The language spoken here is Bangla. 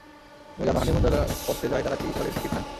তুমি জানো হানিমুন যারা করতে যায় তারা কি করে, ঠিক না?